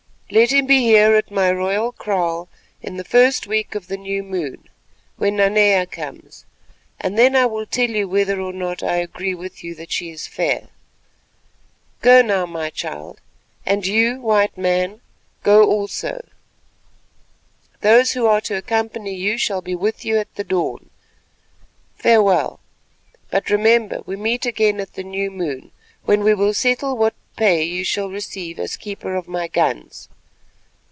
Let him be here at my royal kraal in the first week of the new moon—when Nanea comes—and then I will tell you whether or no I agree with you that she is fair. Go now, my child, and you, White Man, go also; those who are to accompany you shall be with you at the dawn. Farewell, but remember we meet again at the new moon, when we will settle what pay you shall receive as keeper of my guns.